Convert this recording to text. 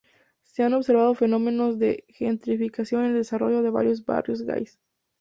Se han observado fenómenos de gentrificación en el desarrollo de varios barrios gais.